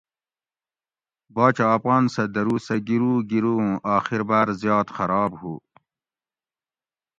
باچہ اۤپان سہۤ درو سہۤ گیرو گیرو اُوں آخر باۤر زیات خراب ہُو